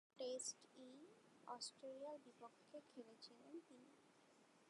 সবগুলো টেস্টই অস্ট্রেলিয়ার বিপক্ষে খেলেছিলেন তিনি।